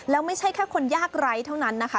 แล้วไม่ใช่แค่คนยากไร้เท่านั้นนะคะ